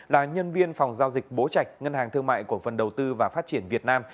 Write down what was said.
là nhân viên phòng giao dịch bố trạch ngân hàng thương mại cổ phần đầu tư và phát triển việt nam